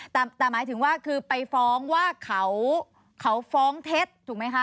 แต่หมายถึงว่าคือไปฟ้องว่าเขาฟ้องเท็จถูกไหมคะ